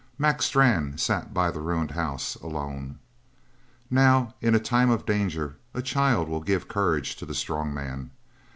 Mac Strann sat by the ruined house alone. Now, in a time of danger a child will give courage to the strong man.